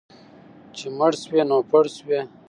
چې مړ شوې، نو پړ شوې.